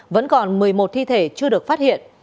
vẫn còn một mươi một thi thể chưa được phát hiện